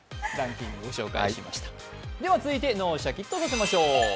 続いて脳をシャキッとさせましょう。